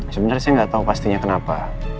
sebenarnya saya nggak tahu pastinya kenapa